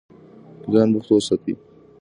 ځان بوخت وساتئ.